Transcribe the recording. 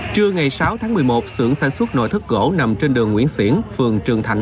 trưa ngày sáu tháng một mươi một sưởng sản xuất nội thất gỗ nằm trên đường nguyễn xiển phường trường thạnh